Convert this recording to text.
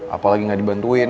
apalagi gak dibantuin